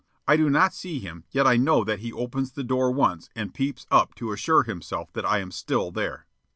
I do not see him, yet I know that he opens the door once and peeps up to assure himself that I am still there.